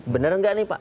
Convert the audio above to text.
benar nggak nih pak